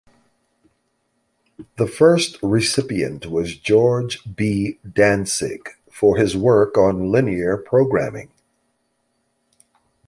The first recipient was George B. Dantzig for his work on linear programming.